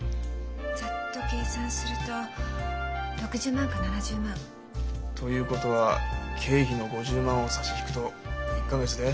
ざっと計算すると６０万か７０万。ということは経費の５０万を差し引くと１か月で？